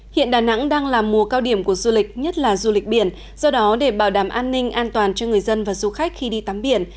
hiện đà nẵng đang là mùa cao điểm của du lịch nhất là du lịch biển do đó để bảo đảm an ninh an toàn cho người dân và du khách khi đi tắm biển